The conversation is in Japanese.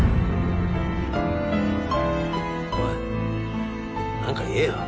おいなんか言えよ。